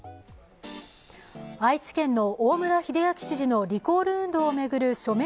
愛知県の大村秀章知事のリコール運動を巡る署名